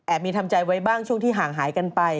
มีทำใจไว้บ้างช่วงที่ห่างหายกันไป